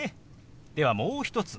ではもう一つ。